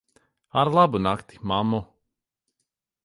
Ar labu nakti, mammu.